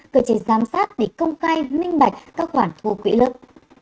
cờ chế giám sát để công khai minh bạch các khoản thu quỹ lực